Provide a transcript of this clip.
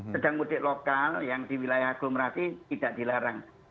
sedang mudik lokal yang di wilayah aglomerasi tidak dilarang